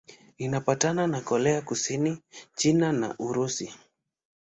Imepakana na Korea Kusini, China na Urusi.